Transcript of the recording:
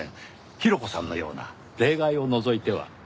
ヒロコさんのような例外を除いては。